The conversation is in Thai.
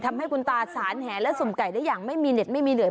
ทำให้คุณตาสารแหและสุ่มไก่ได้อย่างไม่มีเหน็ดไม่มีเหนื่อย